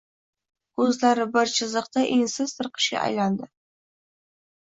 Ko‘zlari bir chiziqday ensiz tirqishga aylandi.